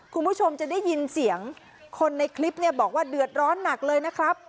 คุณผู้ชมจะได้ยินเสียงคนในคลิปเนี่ยบอกว่าเดือดร้อนหนักเลยนะครับ